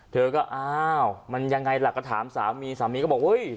เธอก็อ้าวมันยังไงล่ะก็ถามสามีสามีก็บอกเฮ้ย